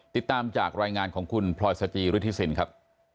ติดตามจากรายงานของคุณพลอยสจิฤทธิสินครับ